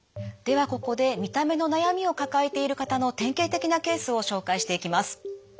ではここで見た目の悩みを抱えている方の典型的なケースを紹介していきます。